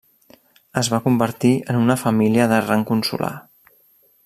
Es va convertir en una família de rang consular.